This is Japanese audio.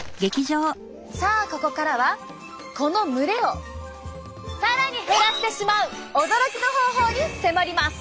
さあここからはこの蒸れを更に減らせてしまう驚きの方法に迫ります！